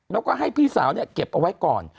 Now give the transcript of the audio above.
แล้วก็ให้พี่สาวเก็บเอาไว้ก่อน